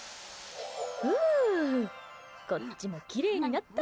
ふうこっちもきれいになった！